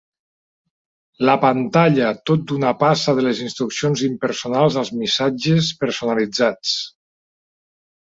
La pantalla tot d'una passa de les instruccions impersonals als missatges personalitzats.